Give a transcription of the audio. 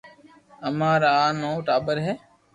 امارآ نو ٽاٻر ھي